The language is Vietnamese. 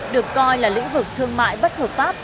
được coi là lĩnh vực thương mại bất hợp pháp